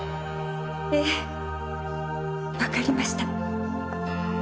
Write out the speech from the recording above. えぇわかりました。